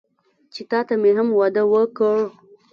چې تاته مې هم واده وکړ.